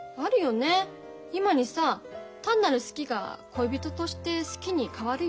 今にさ単なる好きが恋人として好きに変わるよ。